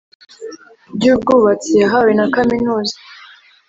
by ubwubatsi yahawe na kaminuza